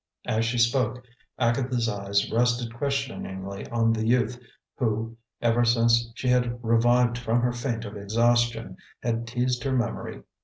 As she spoke, Agatha's eyes rested questioningly on the youth who, ever since she had revived from her faint of exhaustion, had teased her memory.